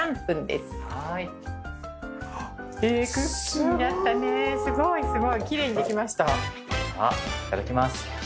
ではいただきます。